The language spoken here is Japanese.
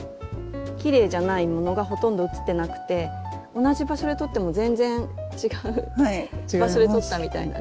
きれいじゃないものがほとんど写ってなくて同じ場所で撮っても全然違う場所で撮ったみたいなね